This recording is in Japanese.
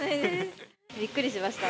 びっくりしました。